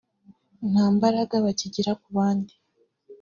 nta mbaraga (influence) bakigira ku bandi